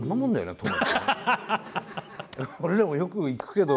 俺らもよく行くけど。